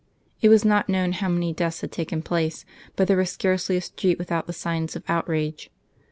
It was not known how many deaths had taken place, but there was scarcely a street without the signs of outrage.